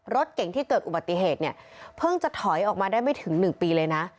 รถเก่งที่เกิดอุบัติเหตุเนี่ยเพิ่งจะถอยออกมาได้ไม่ถึง๑ปีเลยนะ